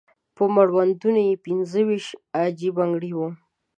په مړوندونو یې پنځه ويشت عاجي بنګړي وو.